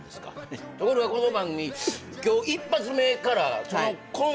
ところがこの番組。